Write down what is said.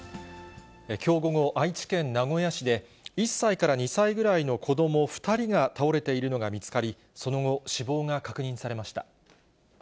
きょう午後、愛知県名古屋市で、１歳から２歳ぐらいの子ども２人が倒れているのが見つかり、その後、死亡が確認されました。